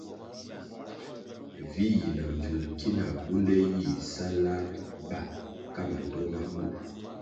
Vi yi na mbvulʼ ki na bunde yih sa lar ba ka mandtoh ma burʼ.